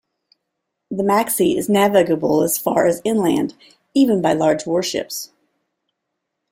The Maxie is navigable as far as inland even by large warships.